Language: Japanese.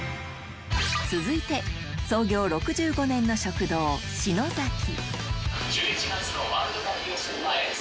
続いて創業６５年の食堂志のざき